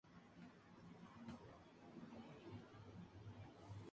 Los ancianos son más susceptibles a estos efectos que la población en general.